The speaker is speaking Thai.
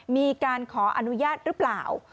มีการขออนุญาตหรือเปล่า